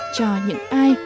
cho những ai